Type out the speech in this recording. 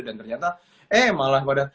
dan ternyata eh malah pada